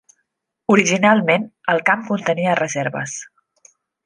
Originalment, el camp contenia reserves.